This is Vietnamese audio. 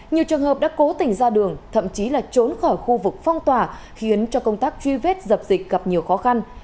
nhiều trường hợp đã cố tình ra đường thậm chí là trốn khỏi khu vực phong tỏa khiến cho công tác truy vết dập dịch gặp nhiều khó khăn